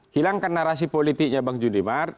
hilangkan narasi politiknya bang jundimar